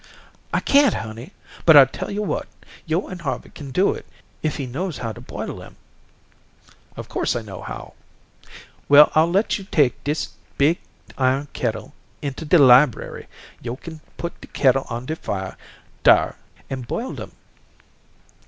"I can't, honey, but I'll tell yo' what. Yo' an' Harvey kin do it if he knows how to boil dem." "Of course, I know how." "Well, I'll let yo' take dis big iron kettle into de library. Yo' kin put de kettle on de fire, dar, an' boil dem."